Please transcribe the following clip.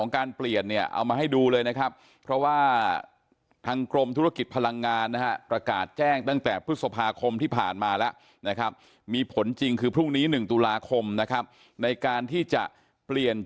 ครูหิวสองก็ดีเซล